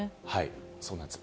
そうなんです。